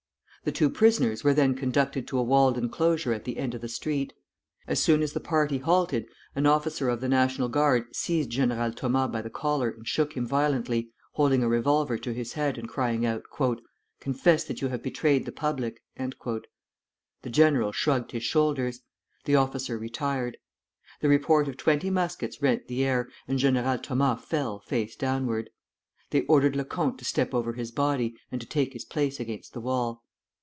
The two prisoners were then conducted to a walled enclosure at the end of the street. As soon as the party halted, an officer of the National Guard seized General Thomas by the collar and shook him violently, holding a revolver to his head, and crying out, "Confess that you have betrayed the Republic!" The general shrugged his shoulders. The officer retired. The report of twenty muskets rent the air, and General Thomas fell, face downward. They ordered Lecomte to step over his body, and to take his place against the wall.